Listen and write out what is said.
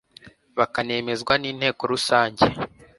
bakanemezwa n Inteko Rusange